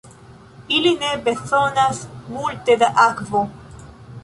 Ili ne bezonas multe da akvo.